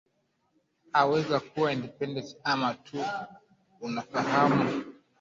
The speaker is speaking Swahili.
aweza kuwa independent ama tuu unafahamu